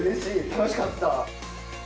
楽しかった。